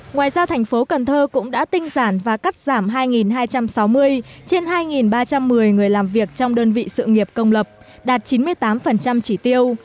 ngoài ra thành phố cần thơ cũng đã tinh giản và cắt giảm hai hai trăm sáu mươi trên hai ba trăm một mươi người làm việc trong đơn vị sự nghiệp công lập đạt chín mươi tám chỉ tiêu